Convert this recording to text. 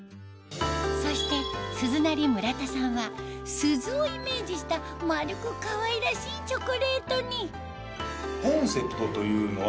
そして鈴なり村田さんは鈴をイメージした丸くかわいらしいチョコレートにコンセプトというのは。